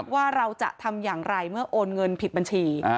ว่าเราจะทำอย่างไรเมื่อโอนเงินผิดบัญชี